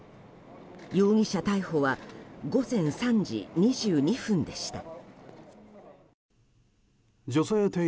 容疑者逮捕は午前３時２２分でした。